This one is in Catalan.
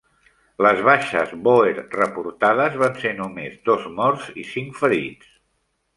Les baixes bòer reportades van ser només dos morts i cinc ferits.